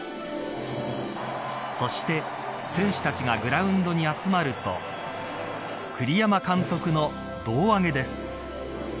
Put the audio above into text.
そして選手たちがグラウンドに集まると栗山監督の胴上げです。